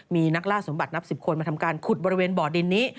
มีนักล่าสมบัตินับ๑๐คนมาทำการขุดบริเวณบ่อดินนี้